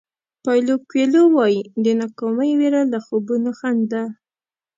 پایلو کویلو وایي د ناکامۍ وېره له خوبونو خنډ ده.